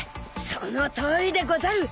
そのとおりでござる！